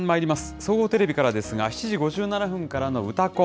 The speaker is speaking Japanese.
総合テレビからですが、７時５７分からのうたコン。